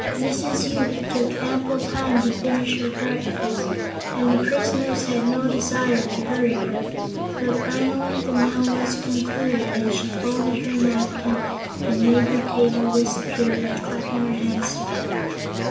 Mrs. Yoop took ample time to finish her breakfast and the prisoners had no desire to hurry her, but finally the meal was concluded and she folded her napkin and made the table disappear by clapping her hands together.